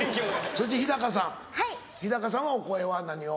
そして日高さん日高さんはお声は何を？